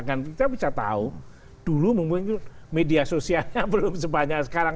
kita bisa tahu dulu mungkin media sosialnya belum sebanyak sekarang